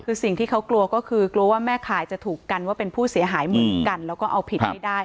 คือสิ่งที่เขากลัวก็คือกลัวว่าแม่ขายจะถูกกันว่าเป็นผู้เสียหายเหมือนกันแล้วก็เอาผิดไม่ได้